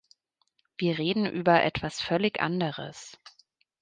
Wir reden über etwas völlig anderes.